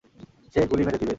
সে গুলি মেরে দিবে।